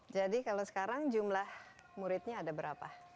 jadi kalau sekarang jumlah muridnya ada berapa